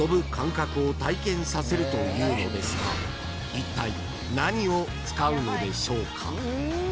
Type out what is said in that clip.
［いったい何を使うのでしょうか？］